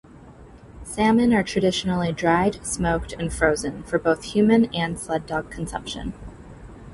Salmon are traditionally dried, smoked, and frozen for both human and sled dog consumption.